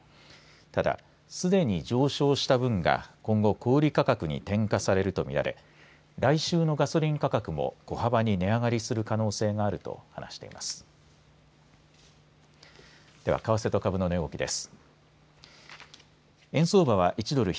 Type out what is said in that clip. ただ、すでに上昇した分が今後、小売価格に転嫁されると見られ来週のガソリン価格も小幅に値上がりする可能性があると話しています。